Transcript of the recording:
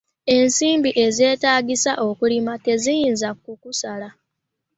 Ensimbi ezeetaagisa okulima teziyinza kukusala.